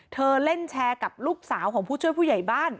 เล่นแชร์กับลูกสาวของผู้ช่วยผู้ใหญ่บ้าน